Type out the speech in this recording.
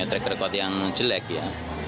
yang ada track record yang jelek ya